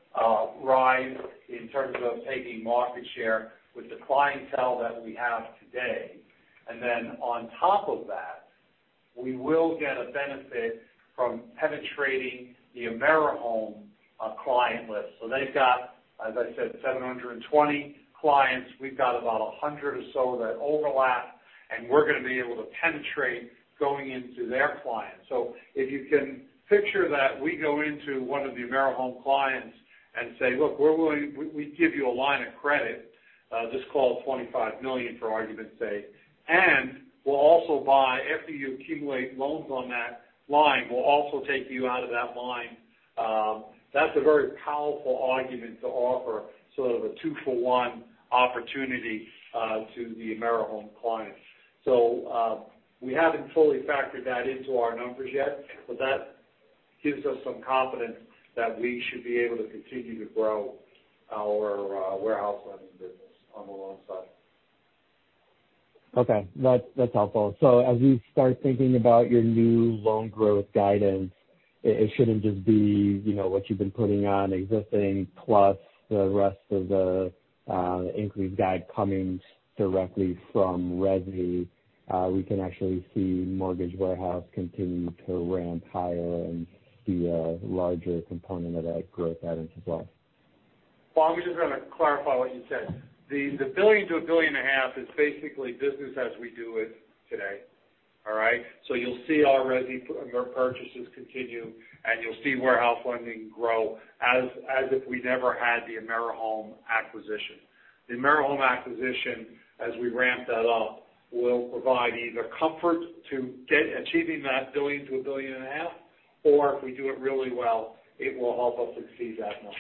rise in terms of taking market share with the clientele that we have today. On top of that, we will get a benefit from penetrating the AmeriHome client list. They've got, as I said, 720 clients. We've got about 100 or so that overlap, and we're going to be able to penetrate going into their clients. If you can picture that we go into one of the AmeriHome clients and say, "Look, we give you a line of credit," just call it $25 million for argument's sake, "and after you accumulate loans on that line, we'll also take you out of that line." That's a very powerful argument to offer sort of a two-for-one opportunity to the AmeriHome client. We haven't fully factored that into our numbers yet, but that gives us some confidence that we should be able to continue to grow our warehouse lending business on the loan side. Okay. That's helpful. As we start thinking about your new loan growth guidance, it shouldn't just be what you've been putting on existing, plus the rest of the increased guide coming directly from resi. We can actually see mortgage warehouse continue to ramp higher and be a larger component of that growth guidance as well. Well, I'm just going to clarify what you said. The $1 billion-$1.5 billion is basically business as we do it today. All right? You'll see our resi purchases continue, and you'll see warehouse lending grow as if we never had the AmeriHome acquisition. The AmeriHome acquisition, as we ramp that up, will provide either comfort to achieving that $1 billion-$1.5 billion, or if we do it really well, it will help us exceed that number.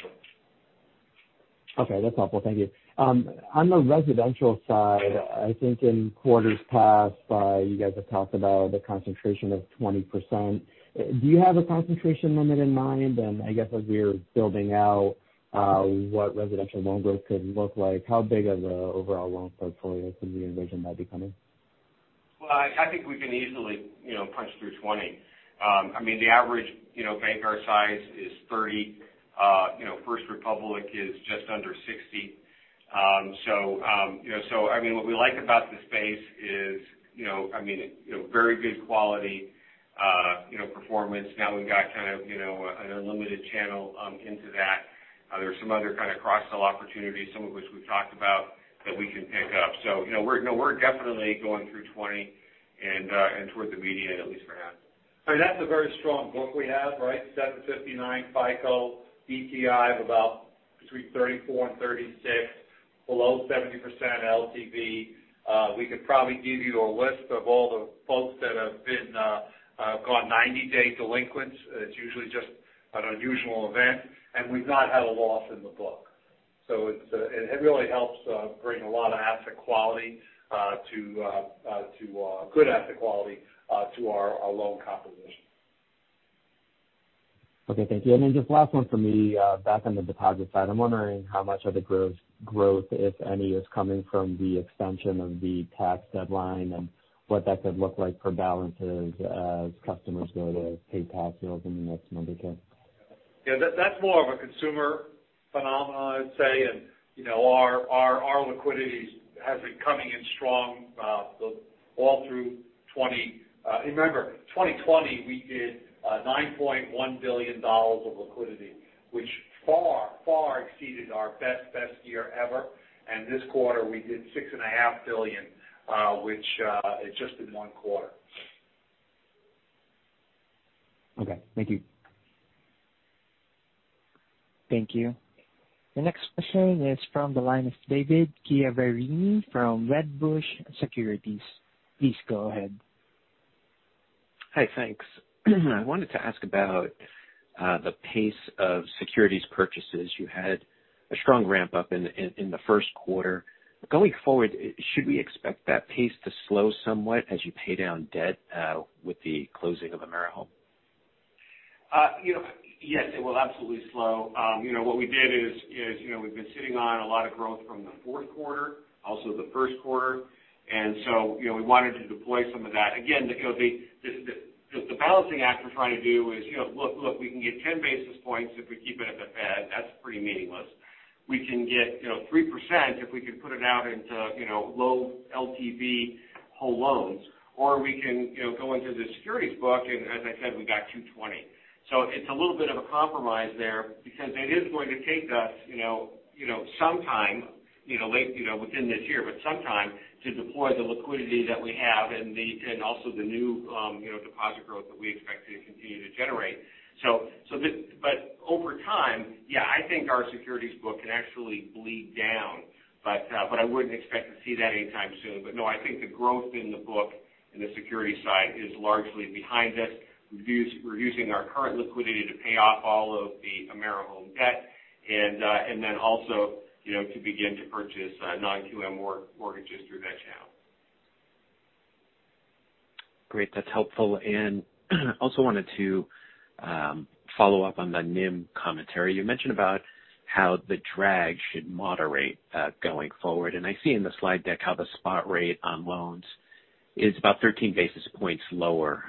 Okay, that's helpful. Thank you. On the residential side, I think in quarters past, you guys have talked about the concentration of 20%. Do you have a concentration limit in mind? I guess as we're building out what residential loan growth could look like, how big of the overall loan portfolio could we envision that becoming? Well, I think we can easily punch through 20%. The average bank our size is 30%. First Republic is just under 60%. What we like about the space is very good quality performance. Now we've got kind of an unlimited channel into that. There are some other kind of cross-sell opportunities, some of which we've talked about, that we can pick up. We're definitely going through 20% and towards the median, at least for now. That's a very strong book we have, right? 759 FICO, DTI of about between 34% and 36%. Below 70% LTV. We could probably give you a list of all the folks that have gone 90-day delinquents. It's usually just an unusual event, and we've not had a loss in the book. It really helps bring a lot of asset quality, good asset quality, to our loan composition. Okay, thank you. Just last one from me, back on the deposit side. I'm wondering how much of the growth, if any, is coming from the extension of the tax deadline and what that could look like for balances as customers go to pay tax bills in the next month or two. Yeah, that's more of a consumer phenomenon, I'd say. Our liquidity has been coming in strong all through 2020. Remember, 2020, we did $9.1 billion of liquidity, which far exceeded our best year ever. This quarter, we did $6.5 billion, which is just in one quarter. Okay. Thank you. Thank you. The next question is from the line of David Chiaverini from Wedbush Securities. Please go ahead. Hi, thanks. I wanted to ask about the pace of securities purchases. You had a strong ramp-up in the first quarter. Going forward, should we expect that pace to slow somewhat as you pay down debt with the closing of AmeriHome? Yes, it will absolutely slow. What we did is we've been sitting on a lot of growth from the fourth quarter, also the first quarter. We wanted to deploy some of that. Again, the balancing act we're trying to do is look, we can get 10 basis points if we keep it at the Fed. That's pretty meaningless. We can get 3% if we can put it out into low LTV whole loans, or we can go into the securities book, and as I said, we got 2.20%. It's a little bit of a compromise there because it is going to take us sometime within this year, but sometime to deploy the liquidity that we have and also the new deposit growth that we expect to continue to generate. Over time, yeah, I think our securities book can actually bleed down. I wouldn't expect to see that anytime soon. No, I think the growth in the book in the security side is largely behind us. We're using our current liquidity to pay off all of the AmeriHome debt and then also to begin to purchase non-QM mortgages through that channel. Great. That's helpful. Also wanted to follow up on the NIM commentary. You mentioned about how the drag should moderate going forward, and I see in the slide deck how the spot rate on loans is about 13 basis points lower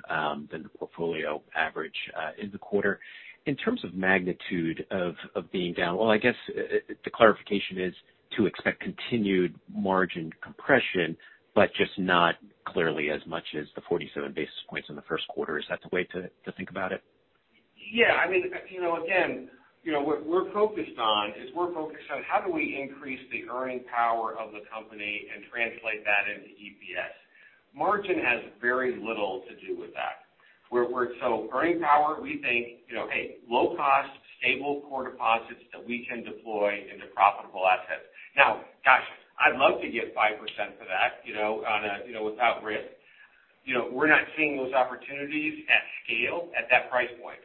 than the portfolio average in the quarter. In terms of magnitude of being down, I guess, the clarification is to expect continued margin compression, but just not clearly as much as the 47 basis points in the first quarter. Is that the way to think about it? Yeah. Again, what we're focused on is we're focused on how do we increase the earning power of the company and translate that into EPS? Margin has very little to do with that. Earning power, we think, hey, low cost, stable core deposits that we can deploy into profitable assets. Gosh, I'd love to get 5% for that without risk. We're not seeing those opportunities at scale at that price point.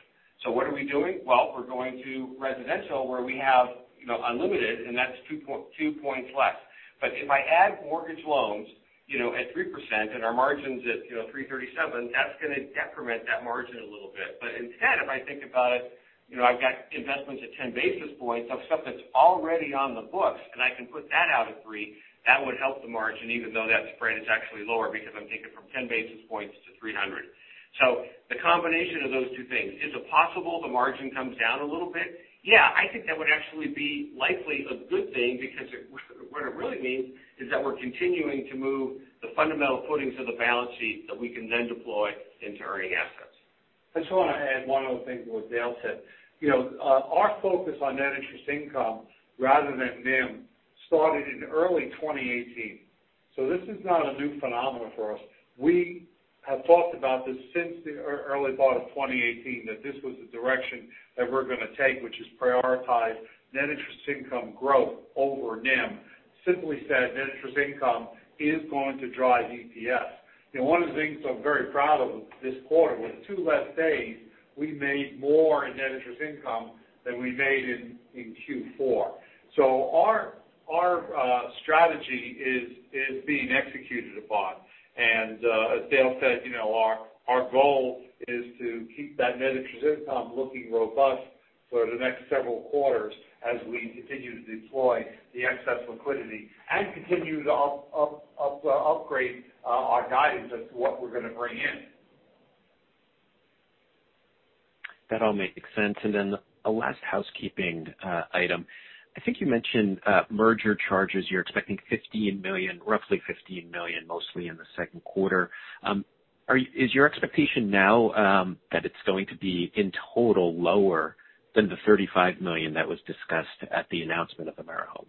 What are we doing? Well, we're going to residential where we have unlimited, and that's 2 points less. If I add mortgage loans at 3% and our margin's at 3.37%, that's going to decrement that margin a little bit. Instead, if I think about it, I've got investments at 10 basis points of stuff that's already on the books, and I can put that out at 3%. That would help the margin, even though that spread is actually lower because I'm taking from 10 basis points to 300 basis points. The combination of those two things, is it possible the margin comes down a little bit? Yeah, I think that would actually be likely a good thing because what it really means is that we're continuing to move the fundamental footings of the balance sheet that we can then deploy into earning assets. I just want to add one other thing to what Dale said. Our focus on net interest income rather than NIM started in early 2018, so this is not a new phenomenon for us. We have thought about this since the early part of 2018, that this was the direction that we're going to take, which is prioritize net interest income growth over NIM. Simply said, net interest income is going to drive EPS. One of the things I'm very proud of this quarter, with two less days, we made more in net interest income than we made in Q4. Our strategy is being executed upon. As Dale said, our goal is to keep that net interest income looking robust for the next several quarters as we continue to deploy the excess liquidity and continue to upgrade our guidance as to what we're going to bring in. That all makes sense. A last housekeeping item. I think you mentioned merger charges. You're expecting roughly $15 million mostly in the second quarter. Is your expectation now that it's going to be in total lower than the $35 million that was discussed at the announcement of AmeriHome?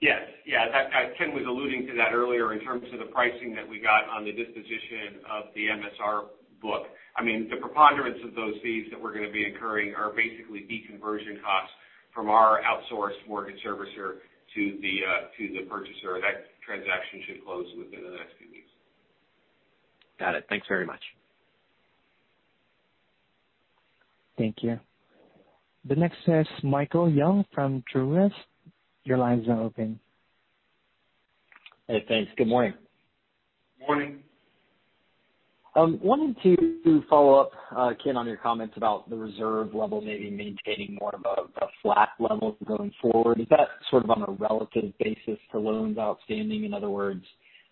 Yes. Ken was alluding to that earlier in terms of the pricing that we got on the disposition of the MSR book. The preponderance of those fees that we're going to be incurring are basically de-conversion costs from our outsourced mortgage servicer to the purchaser. That transaction should close within the next few weeks. Got it. Thanks very much. Thank you. The next is Michael Young from Truist. Your line is now open. Hey, thanks. Good morning. Morning. Wanted to follow up, Ken, on your comments about the reserve level maybe maintaining more of a flat level going forward. Is that sort of on a relative basis to loans outstanding? In other words,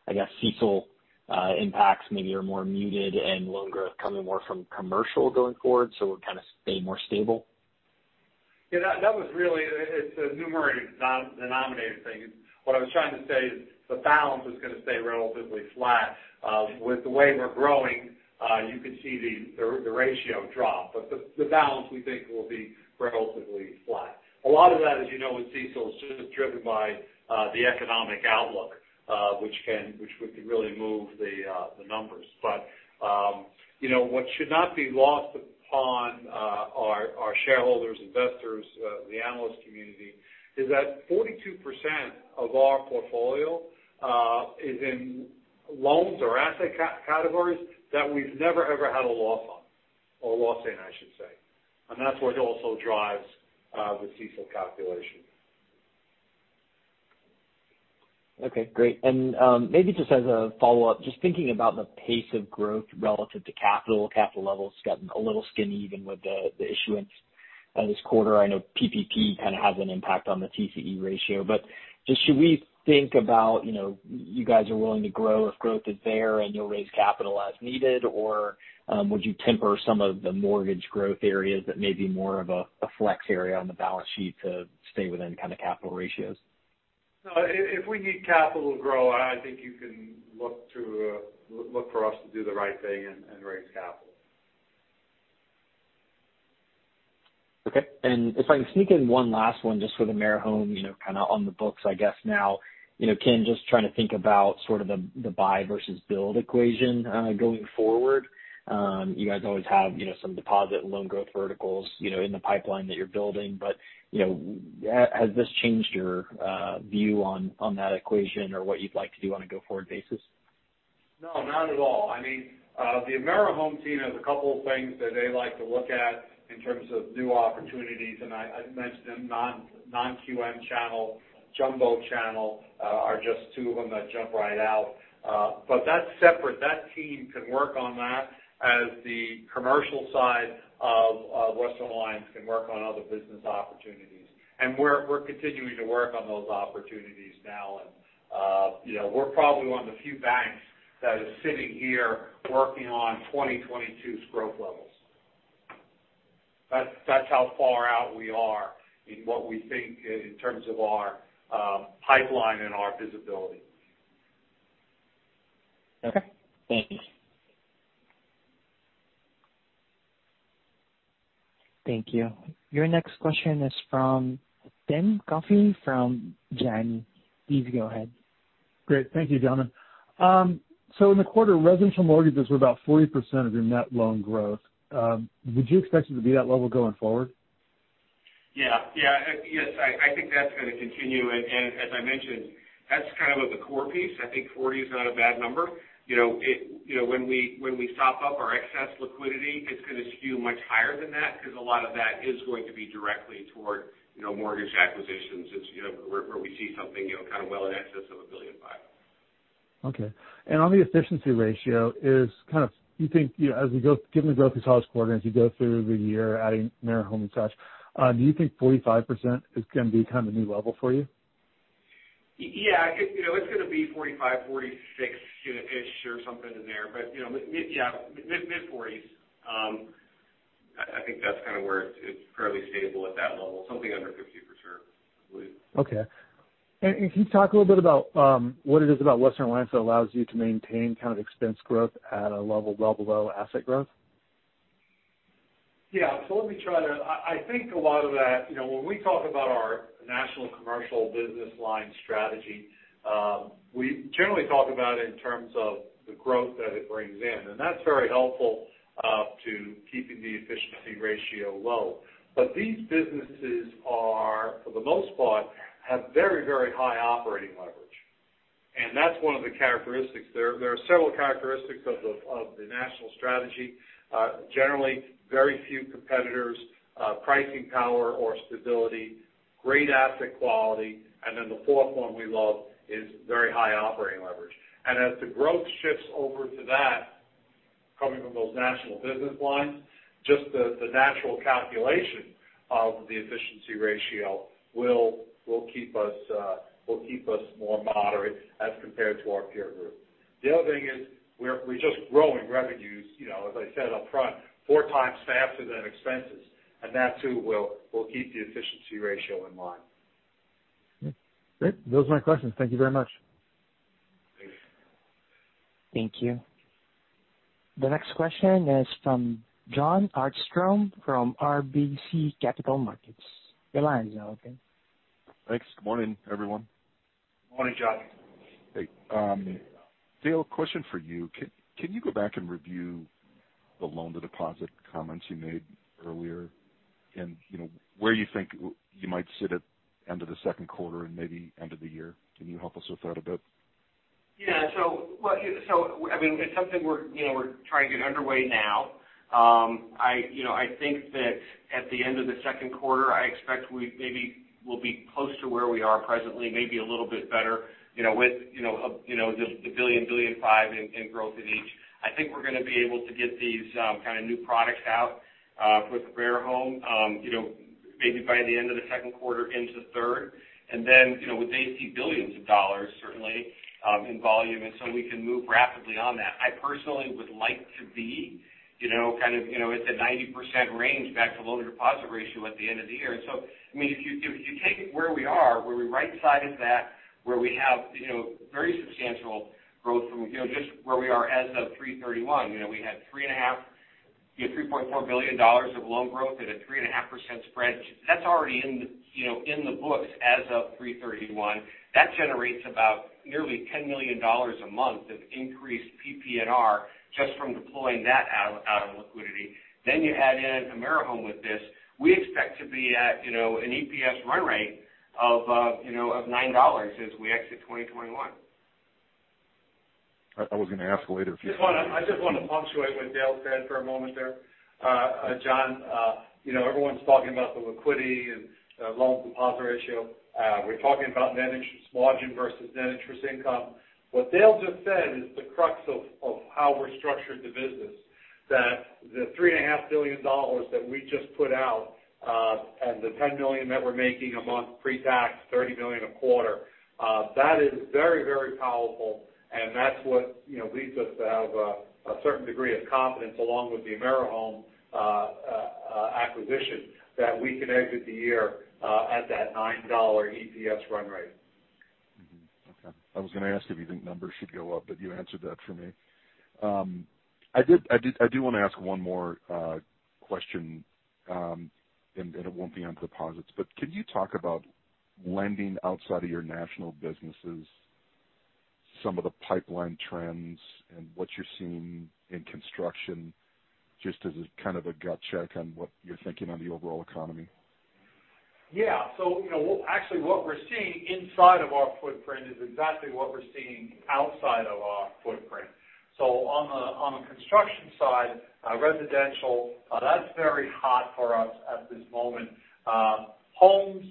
I guess CECL impacts maybe are more muted and loan growth coming more from commercial going forward, so we're kind of staying more stable. That was really, it's a numerator, denominator thing. What I was trying to say is the balance is going to stay relatively flat. With the way we're growing, you could see the ratio drop. The balance, we think, will be relatively flat. A lot of that, as you know, with CECL is just driven by the economic outlook which would really move the numbers. What should not be lost upon our shareholders, investors, the analyst community, is that 42% of our portfolio is in loans or asset categories that we've never, ever had a loss on, or a loss in, I should say. That's what also drives the CECL calculation. Okay, great. Maybe just as a follow-up, just thinking about the pace of growth relative to capital. Capital levels got a little skinny even with the issuance this quarter. I know PPP kind of has an impact on the TCE ratio. Just should we think about you guys are willing to grow if growth is there and you'll raise capital as needed? Would you temper some of the mortgage growth areas that may be more of a flex area on the balance sheet to stay within kind of capital ratios? No, if we need capital to grow, I think you can look for us to do the right thing and raise capital. Okay. If I can sneak in one last one just for the AmeriHome, kind of on the books, I guess now. Ken, just trying to think about sort of the buy versus build equation going forward. You guys always have some deposit and loan growth verticals in the pipeline that you're building. Has this changed your view on that equation or what you'd like to do on a go-forward basis? No, not at all. The AmeriHome team has a couple of things that they like to look at in terms of new opportunities, and I mentioned non-QM channel, jumbo channel are just two of them that jump right out. But that's separate. That team can work on that as the commercial side of Western Alliance can work on other business opportunities. And we're continuing to work on those opportunities now and we're probably one of the few banks that is sitting here working on 2022's growth levels. That's how far out we are in what we think in terms of our pipeline and our visibility. Okay. Thank you. Thank you. Your next question is from Tim Coffey from Janney. Please go ahead. Great. Thank you, gentlemen. In the quarter, residential mortgages were about 40% of your net loan growth. Would you expect it to be that level going forward? Yeah. Yes, I think that's going to continue. As I mentioned, that's kind of the core piece. I think 40% is not a bad number. When we sop up our excess liquidity, it's going to skew much higher than that because a lot of that is going to be directly toward mortgage acquisitions. It's where we see something kind of well in excess of $1.5 billion. Okay. On the efficiency ratio, given the growth this last quarter, as you go through the year adding AmeriHome and such, do you think 45% is going to be kind of a new level for you? Yeah. It's going to be 45%, 46%-ish or something in there. Yeah, mid-40%s. I think that's kind of where it's currently stable at that level. Something under 50% for sure. Okay. Can you talk a little bit about what it is about Western Alliance that allows you to maintain kind of expense growth at a level well below asset growth? Let me try to. I think a lot of that, when we talk about our national commercial business line strategy, we generally talk about it in terms of the growth that it brings in, and that's very helpful to keeping the efficiency ratio low. These businesses are, for the most part, have very high operating leverage. That's one of the characteristics. There are several characteristics of the national strategy. Generally, very few competitors, pricing power or stability, great asset quality, and the fourth one we love is very high operating leverage. As the growth shifts over to that, coming from those national business lines, just the natural calculation of the efficiency ratio will keep us more moderate as compared to our peer group. The other thing is we're just growing revenues, as I said upfront, four times faster than expenses, and that too will keep the efficiency ratio in line. Great. Those are my questions. Thank you very much. Thanks. Thank you. The next question is from Jon Arfstrom from RBC Capital Markets. Your line is now open. Thanks. Good morning, everyone. Morning, Jon. Hey. Dale, question for you. Can you go back and review the loan-to-deposit comments you made earlier? Where you think you might sit at end of the second quarter and maybe end of the year? Can you help us with that a bit? Yeah. It's something we're trying to get underway now. I think that at the end of the second quarter, I expect we maybe will be close to where we are presently, maybe a little bit better with the $1 billion-$1.5 billion in growth in each. I think we're going to be able to get these kinds of new products out for AmeriHome maybe by the end of the second quarter into the third and then would they see billions of dollars certainly in volume, we can move rapidly on that. I personally would like to be in the 90% range back to loan-to-deposit ratio at the end of the year. If you take it where we are, where we right-sided that, where we have very substantial growth from just where we are as of 3/31. We had $3.4 billion of loan growth at a 3.5% spread. That's already in the books as of 3/31. That generates about nearly $10 million a month of increased PPNR just from deploying that out of liquidity. You add in AmeriHome with this. We expect to be at an EPS run rate of $9 as we exit 2021. I was going to ask later if you- I just want to punctuate what Dale said for a moment there. Jon, everyone's talking about the liquidity and loan-to-deposit ratio. We're talking about net interest margin versus net interest income. What Dale just said is the crux of how we're structured the business. That the $3.5 billion that we just put out and the $10 million that we're making a month pre-tax, $30 million a quarter, that is very powerful, and that's what leads us to have a certain degree of confidence along with the AmeriHome acquisition that we can exit the year at that $9 EPS run rate. Okay. I was going to ask if you think numbers should go up, but you answered that for me. I do want to ask one more question, and it won't be on deposits. Can you talk about lending outside of your national businesses, some of the pipeline trends and what you're seeing in construction, just as a kind of a gut check on what you're thinking on the overall economy? Yeah. Actually, what we're seeing inside of our footprint is exactly what we're seeing outside of our footprint. On the construction side, residential, that's very hot for us at this moment. Homes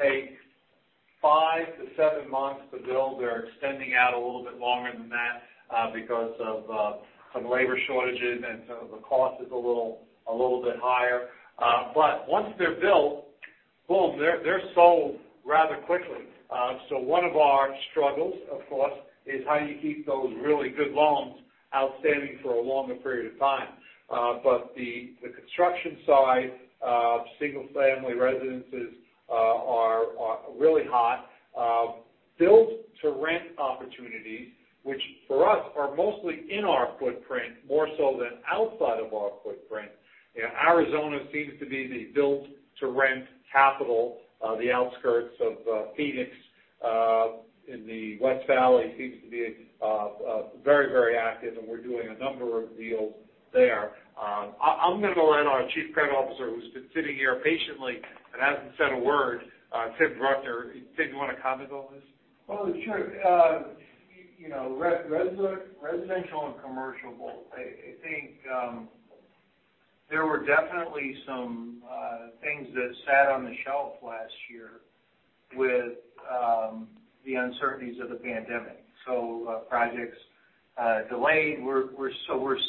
take five to seven months to build. They're extending out a little bit longer than that because of some labor shortages and some of the cost is a little bit higher. Once they're built, boom, they're sold rather quickly. One of our struggles, of course, is how do you keep those really good loans outstanding for a longer period of time? The construction side of single-family residences are really hot. Build-to-rent opportunities, which for us are mostly in our footprint more so than outside of our footprint. Arizona seems to be the build-to-rent capital. The outskirts of Phoenix in the West Valley seems to be very active, and we're doing a number of deals there. I'm going to lean on our Chief Credit Officer, who's been sitting here patiently and hasn't said a word, Tim Bruckner. Tim, do you want to comment on this? Well, sure. Residential and commercial book. I think there were definitely some things that sat on the shelf last year with the uncertainties of the pandemic, projects delayed. We're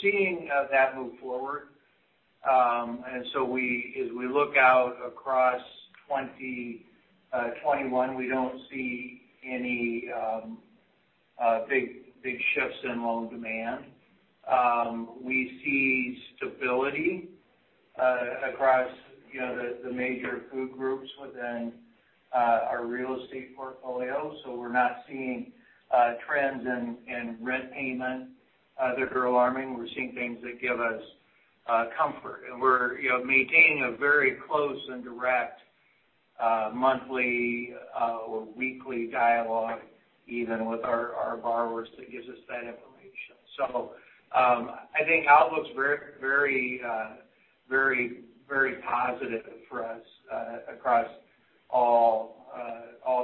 seeing that move forward. As we look out across 2021, we don't see any big shifts in loan demand. We see stability across the major group within our real estate portfolio. We're not seeing trends in rent payment that are alarming. We're seeing things that give us comfort. We're maintaining a very close and direct monthly or weekly dialogue even with our borrowers that gives us that information. I think outlook's very positive for us across all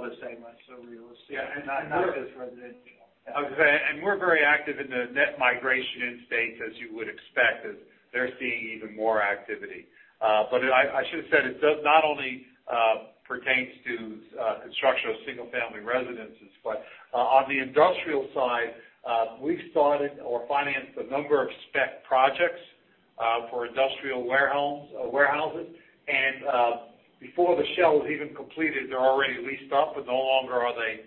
the segments of real estate, and not just residential. Okay. We're very active in the net migration in states, as you would expect, as they're seeing even more activity. I should have said, it does not only pertains to construction of single-family residences, but on the industrial side, we've started or financed a number of spec projects for industrial warehouses. Before the shell is even completed, they're already leased up, but no longer are they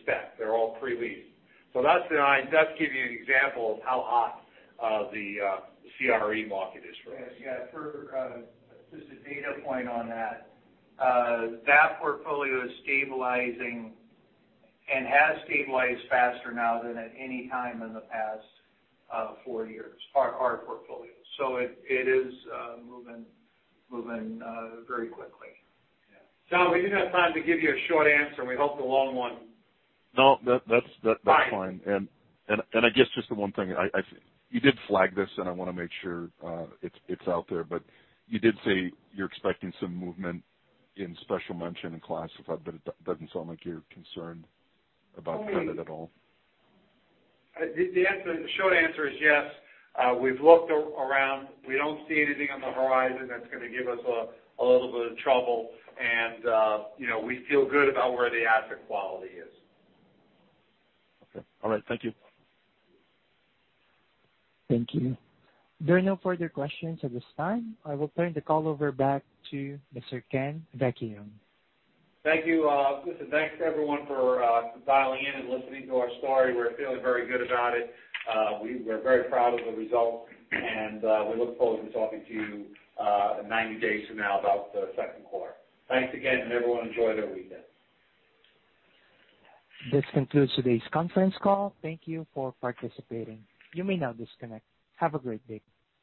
spec. They're all pre-leased. That's giving you an example of how hot the CRE market is right now. Yes. Yeah. Just a data point on that. That portfolio is stabilizing and has stabilized faster now than at any time in the past four years. Our portfolio. It is moving very quickly. Yeah. Jon, we didn't have time to give you a short answer. We hope the long one. No, that's fine. Fine. I guess just the one thing, you did flag this, and I want to make sure it's out there, but you did say you're expecting some movement in special mention and classified, but it doesn't sound like you're concerned about credit at all? The short answer is yes. We've looked around. We don't see anything on the horizon that's going to give us a little bit of trouble, and we feel good about where the asset quality is. Okay. All right. Thank you. Thank you. There are no further questions at this time. I will turn the call over back to Mr. Ken Vecchione. Thank you. Listen, thanks everyone for dialing in and listening to our story. We're feeling very good about it. We're very proud of the results. We look forward to talking to you in 90 days from now about the second quarter. Thanks again. Everyone enjoy their weekend. This concludes today's conference call. Thank you for participating. You may now disconnect. Have a great day.